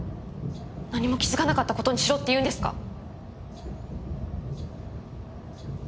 何も気づかなかった事にしろって言うんですか？